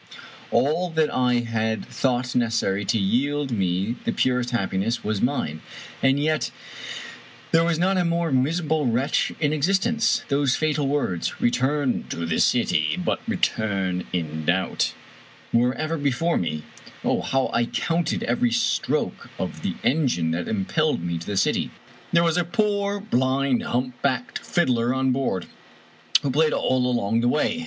All that I had thought necessary to yield me the purest happiness was mine, and yet there was not a more miserable wretch in existence. Those fatal words, " Return to the city, but re turn in doubt 1 " were ever before me. Oh, how I counted every stroke of the engine that impelled me to the city ! There was a poor, blind, humpbacked fiddler on board, who played all along the way.